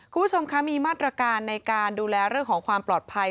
คุณผู้ชมคะมีมาตรการในการดูแลเรื่องของความปลอดภัย